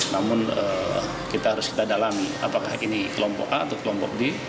namun kita harus kita dalami apakah ini kelompok a atau kelompok d